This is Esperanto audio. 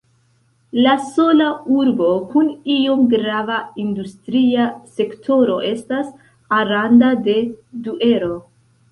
La sola urbo kun iom grava industria sektoro estas Aranda de Duero.